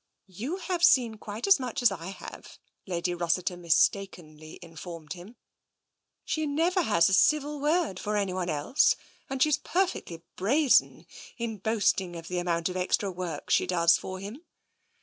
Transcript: "You have seen quite as much as I have," Lady Rossiter mistakenly informed him; "she never has a civil word for anyone else, and she is perfectly brazen in boasting of the amount of extra work she does for him.